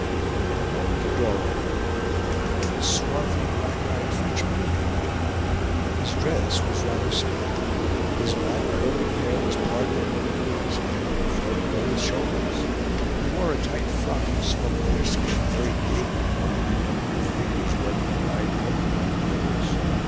In a moment a door opened, and a little, swarthy black eyed Frenchman came out. His dress was rather singular; his black curling hair was parted in the middle of his head, and fell below his shoulders; he wore a tight frock of smoked deerskin, very gayly ornamented with figures worked in dyed porcupine quills.